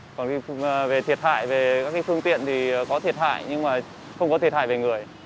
còn về thiệt hại các phương tiện có thiệt hại nhưng không có thiệt hại về người